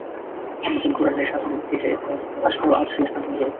অন্যদিন ঘোড়ার হ্রেষা ধ্বনি ভেসে আসলেও আজ সে স্থানটি নীরব।